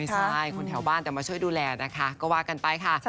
ใช่คนแถวบ้านแต่มาช่วยดูแลนะคะก็ว่ากันไปค่ะ